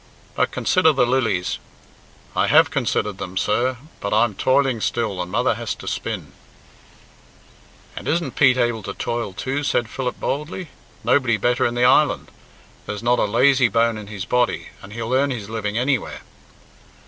"'But consider the lilies' " "I have considered them, sir; but I'm foiling still and mother has to spin." "And isn't Pete able to toil, too," said Philip boldly. "Nobody better in the island; there's not a lazy bone in his body, and he'll earn his living anywhere."